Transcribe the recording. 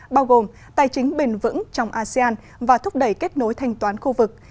bao gồm tài chính bền vững trong asean và thúc đẩy kết nối thanh toán khu vực